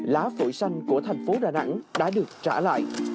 lá phổi xanh của thành phố đà nẵng đã được trả lại